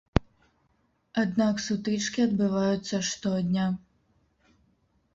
Аднак сутычкі адбываюцца штодня.